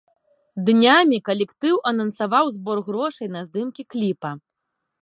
Днямі калектыў анансаваў збор грошай на здымкі кліпа.